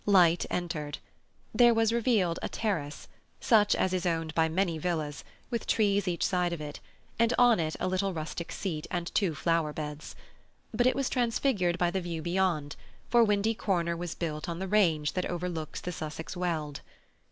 Light entered. There was revealed a terrace, such as is owned by many villas with trees each side of it, and on it a little rustic seat, and two flower beds. But it was transfigured by the view beyond, for Windy Corner was built on the range that overlooks the Sussex Weald.